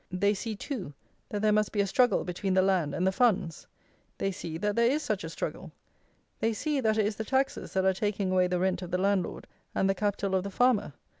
They see, too, that there must be a struggle between the land and the funds: they see that there is such a struggle. They see, that it is the taxes that are taking away the rent of the landlord and the capital of the farmer.